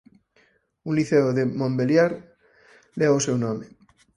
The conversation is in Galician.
Un liceo de Montbéliard leva o seu nome.